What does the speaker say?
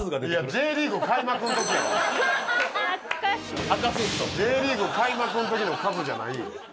Ｊリーグ開幕の時のカズじゃないんよ。